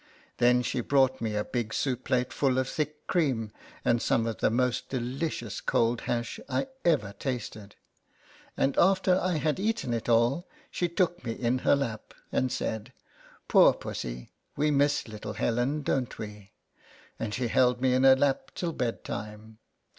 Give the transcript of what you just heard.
Then she brought me a big soup plate full of thick cream, and some of the most delicious cold hash I ever tasted; and after I had eaten it all, she took me in her lap, and said, " Poor pussy, we miss little Helen, don't we?" and she held me in her lap till bed time.